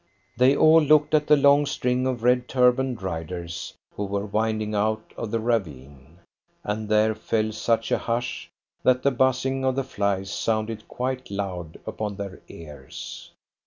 They all looked at the long string of red turbaned riders who were winding out of the ravine, and there fell such a hush that the buzzing of the flies sounded quite loud upon their ears.